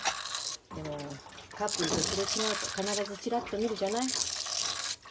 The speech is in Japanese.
でもカップルと擦れ違うと必ずチラッと見るじゃない？